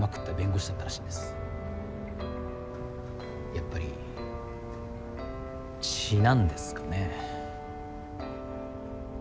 やっぱり血なんですかね。